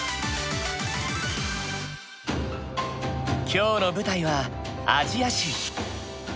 今日の舞台はアジア州。